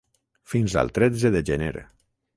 Fins al tretze de gener.